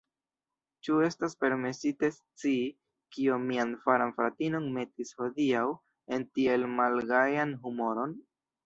Ĉu estas permesite scii, kio mian karan fratinon metis hodiaŭ en tiel malgajan humoron?